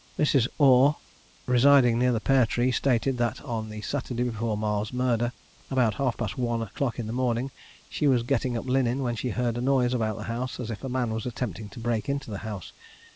Mrs. Orr, residing near the Pear Tree, stated, that on the Saturday before Marr's murder, about half past one o'clock in the morning, she was getting up linen, when she heard a noise about the house, as if a man was attempting to break into the house.